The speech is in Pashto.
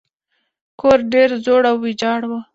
کور ډیر زوړ او ویجاړ و.